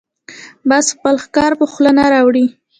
باز خپل ښکار په خوله نه راوړي